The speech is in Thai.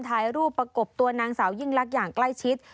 ถ่ายรูปประกบตัวนางสาวยิ่งลักษณ์อย่างใกล้ชิด